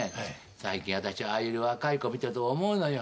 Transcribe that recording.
最近私はああいう若い子見てると思うのよ」